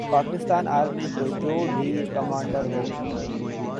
Pakistan army کا جو بھی کمانڈر ہو۔